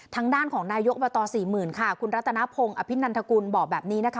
ทางด้านของนายกอบตสี่หมื่นค่ะคุณรัตนพงศ์อภินันทกุลบอกแบบนี้นะคะ